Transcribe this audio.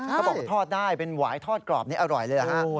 เขาบอกทอดได้เป็นหวายทอดกรอบนี้อร่อยเลยนะฮะ